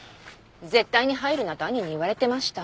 絶対に入るなと兄に言われてました。